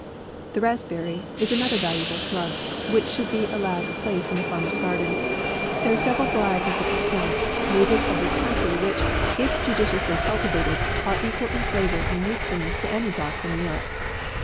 THE RASPBERRY is another valuable shrub, which should be allowed a place in the farmer's garden. — There are several varieties of this plant, na tives of this country, which, if judiciously cultivated, are equal in flavour and usefulness to any brought from Europe.